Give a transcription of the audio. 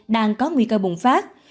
đang có nguy cơ bùng phát